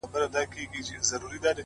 وخت د ژمنو رښتینولي ښکاره کوي,